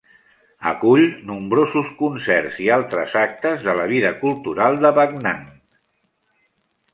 Acull nombrosos concerts i altres actes de la vida cultural de Backnang.